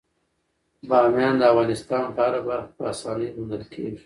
بامیان د افغانستان په هره برخه کې په اسانۍ موندل کېږي.